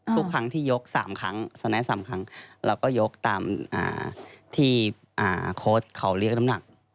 ทุกครั้งที่ยกสเทนแอร์๓ครั้งแล้วก็ยกตามที่โค้ชเขาเรียกน้ำหนัก